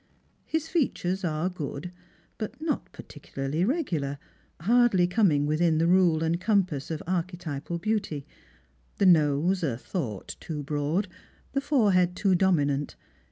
His features are good, but not pai ticularly regular, hardly coming within the rule and compass of archetypal beauty; the nose a thought too broad, the forehead too dominant.